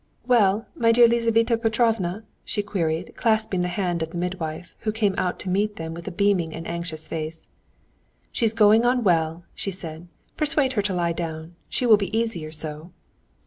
"Well, my dear Lizaveta Petrovna?" she queried, clasping the hand of the midwife, who came out to meet them with a beaming and anxious face. "She's going on well," she said; "persuade her to lie down. She will be easier so."